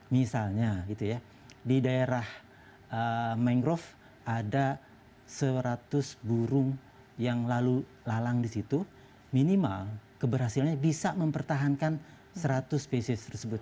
misalnya gitu ya di daerah mangrove ada seratus burung yang lalu lalang di situ minimal keberhasilannya bisa mempertahankan seratus spesies tersebut